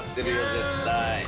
絶対。